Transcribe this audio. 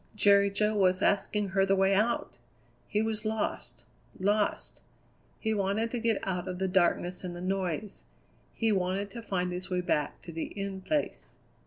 Jerry Jo was asking her the way out! He was lost lost. He wanted to get out of the darkness and the noise; he wanted to find his way back to the In Place.